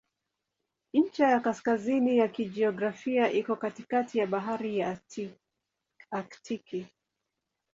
Ncha ya kaskazini ya kijiografia iko katikati ya Bahari ya Aktiki.